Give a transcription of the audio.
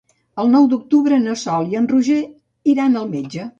El nou d'octubre na Sol i en Roger iran al metge.